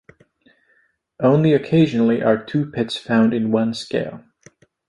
Only occasionally are two pits found in one scale.